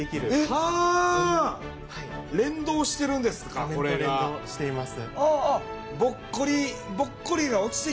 画面と連動しています。